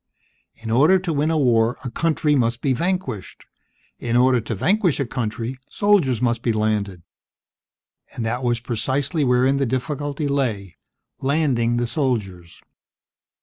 In order to win a war, a country must be vanquished. In order to vanquish a country, soldiers must be landed. And that was precisely wherein the difficulty lay: landing the soldiers.